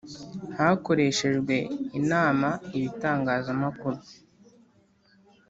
Hakoreshejwe inama ibitangazamakuru